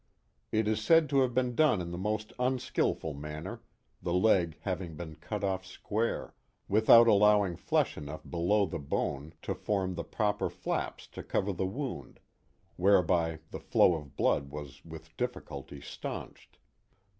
It is said to have been done in the most unskilful manner, the leg having been cut off square, without allowing flesh enough below the bone to form the proper flaps to cover the wound, whereby the flow of blood was with difficulty stanched.